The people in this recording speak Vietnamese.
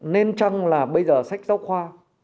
nên chăng là bây giờ sách giáo khoa